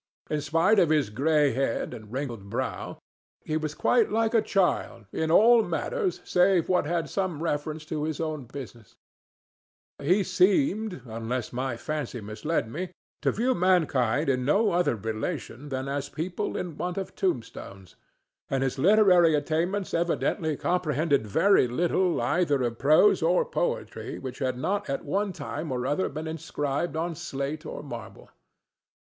In spite of his gray head and wrinkled brow, he was quite like a child in all matters save what had some reference to his own business; he seemed, unless my fancy misled me, to view mankind in no other relation than as people in want of tombstones, and his literary attainments evidently comprehended very little either of prose or poetry which had not at one time or other been inscribed on slate or marble.